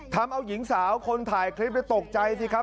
ทำเอาหญิงสาวคนถ่ายคลิปตกใจสิครับ